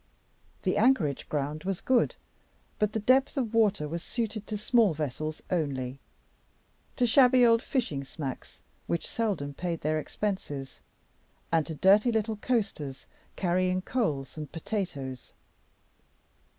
The anchorage ground was good; but the depth of water was suited to small vessels only to shabby old fishing smacks which seldom paid their expenses, and to dirty little coasters carrying coals and potatoes.